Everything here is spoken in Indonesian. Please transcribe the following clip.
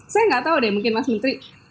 saya nggak tahu deh mungkin mas menteri